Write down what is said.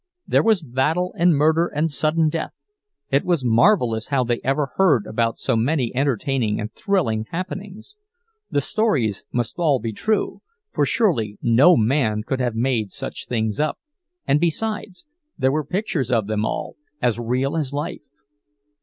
There was battle and murder and sudden death—it was marvelous how they ever heard about so many entertaining and thrilling happenings; the stories must be all true, for surely no man could have made such things up, and besides, there were pictures of them all, as real as life.